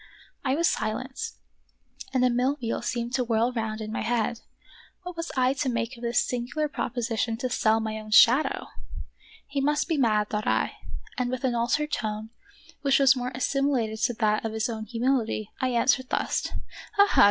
I was silent, and a mill wheel seemed to whirl round in my head. What was I to make of this singular proposition to sell my own shadow He must be mad, thought I, and with an altered tone, which was more assimilated to that of his own humility, I answered thus :— "Ha! ha!